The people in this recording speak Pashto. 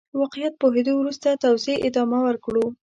واقعيت پوهېدو وروسته توزيع ادامه ورکړو.